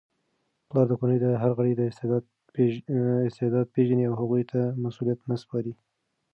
پلار د کورنی د هر غړي استعداد پیژني او هغوی ته مسؤلیتونه سپاري.